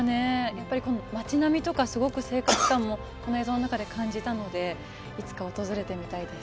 やっぱり町並みとかすごく生活感も映像の中で感じたのでいつか訪れてみたいです。